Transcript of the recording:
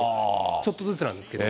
ちょっとずつなんですけど。